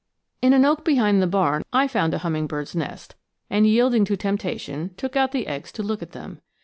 In an oak behind the barn I found a hummingbird's nest, and, yielding to temptation, took out the eggs to look at them.